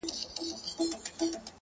زړه راته زخم کړه. زارۍ کومه.